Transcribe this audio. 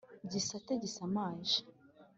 gisate gisamaje.